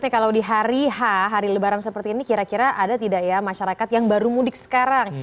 kalau di hari h hari lebaran seperti ini kira kira ada tidak ya masyarakat yang baru mudik sekarang